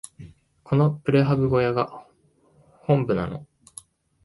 このプレハブ小屋が本部なの？